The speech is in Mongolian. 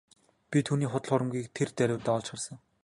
Би түүний худал хуурмагийг тэр даруйдаа олж харсан.